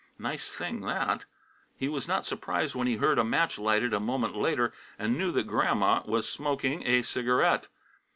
Nice thing, that! He was not surprised when he heard a match lighted a moment later, and knew that Grandma was smoking a cigarette.